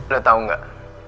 lo tau gak